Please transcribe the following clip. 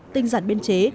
tinh dặn biên chế